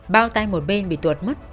bao tay một bên bị tuột mất